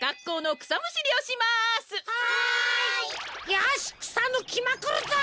よしくさぬきまくるぞ！